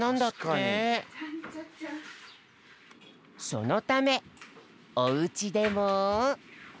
そのためおうちでも。